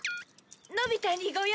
のび太にご用？